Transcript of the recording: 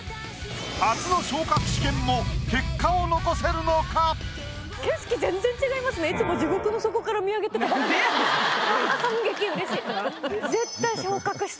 初の昇格試験も結果を残せるのか⁉なんでやねん。